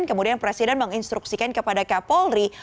kemudian presiden menginstruksikan kepada kapolri